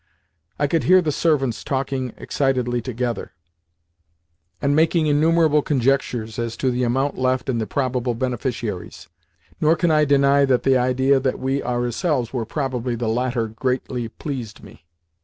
I could hear the servants talking excitedly together, and making innumerable conjectures as to the amount left and the probable beneficiaries: nor can I deny that the idea that we ourselves were probably the latter greatly pleased me.